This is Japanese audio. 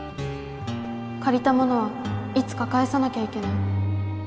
借りたものはいつか返さなきゃいけない